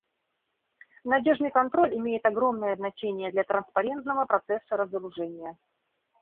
Надежный контроль имеет огромное значение для транспарентного процесса разоружения.